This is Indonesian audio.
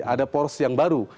ada poros yang baru